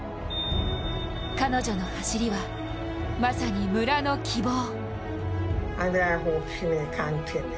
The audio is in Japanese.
彼女の走りはまさに村の希望。